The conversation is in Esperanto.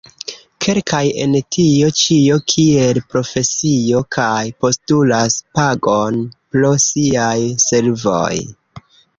Kelkaj en tio ĉio kiel profesio kaj postulas pagon pro siaj servoj.